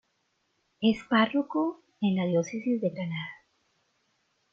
Es párroco en la diócesis de Granada.